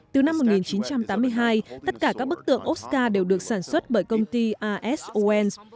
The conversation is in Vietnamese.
từ năm một nghìn chín trăm tám mươi hai tất cả các bức tượng oscar đều được sản xuất bởi công ty a s o n